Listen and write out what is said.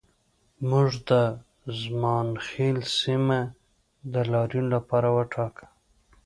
موږ د زمانخیل سیمه د لاریون لپاره وټاکه